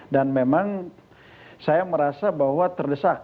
memang saya merasa bahwa terdesak